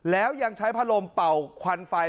แล้วยังใช้พัดลมเป่าควันไฟ